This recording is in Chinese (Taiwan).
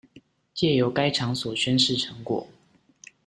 藉由該場所宣示成果